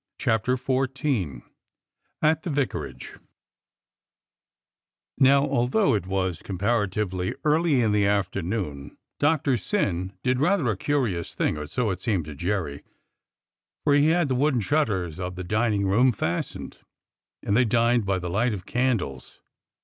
CHAPTER XIV AT THE VICARAGE N^ OW, although it was comparatively early in the afternoon, Doctor Syn did rather a curious thing, or so it seemed to Jerry, for he had the wooden shutters of the dining room fastened, and they dined by the light of candles.